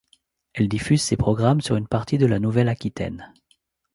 Elle diffuse ses programmes sur une partie de la Nouvelle-Aquitaine.